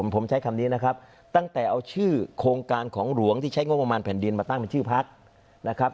ผมใช้คำนี้นะครับตั้งแต่เอาชื่อโครงการของหลวงที่ใช้งบประมาณแผ่นดินมาตั้งเป็นชื่อพักนะครับ